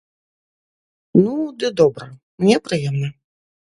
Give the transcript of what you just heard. Ну ды добра, мне прыемна.